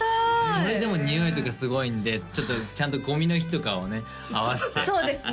それでもにおいとかすごいんでちょっとちゃんとゴミの日とかをね合わせてそうですね